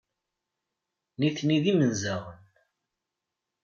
Nitni d imenzaɣen.